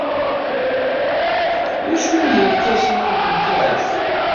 D acu n yerkasen ay kent-iɛejben?